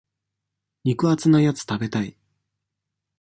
肉厚なやつ食べたい。